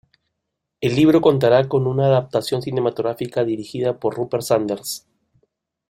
El libro contará con una adaptación cinematográfica dirigida por Rupert Sanders.